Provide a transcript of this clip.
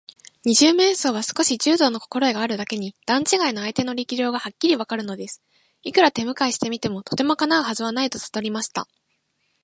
二十面相は少し柔道のこころえがあるだけに、段ちがいの相手の力量がはっきりわかるのです。いくら手むかいしてみても、とてもかなうはずはないとさとりました。